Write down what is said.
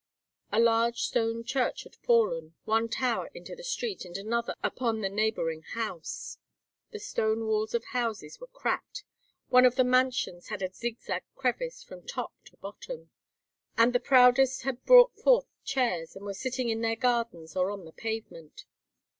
A large stone church had fallen, one tower into the street and another upon the neighboring house. The stone walls of houses were cracked; one of the "mansions" had a zigzag crevice from top to bottom. And the proudest had brought forth chairs and were sitting in their gardens or on the pavement.